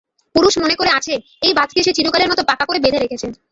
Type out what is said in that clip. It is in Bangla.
পুরুষ মনে করে আছে, এই বাঁধকে সে চিরকালের মতো পাকা করে বেঁধে রেখেছে।